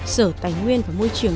sở tài nguyên và môi trường